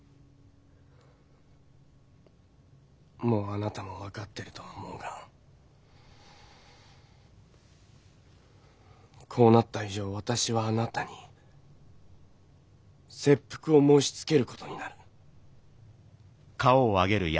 もうあなたも分かってると思うがこうなった以上私はあなたに切腹を申しつける事になる。